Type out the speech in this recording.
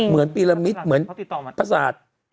เหมือนปีรามิตเหมือนภาษา